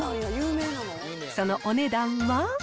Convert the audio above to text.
そのお値段は。